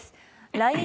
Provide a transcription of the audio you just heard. ＬＩＮＥ